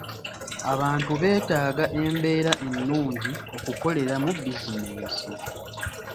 Abantu beetaaga embeera ennungi okukoleramu bizinesi.